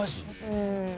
うん。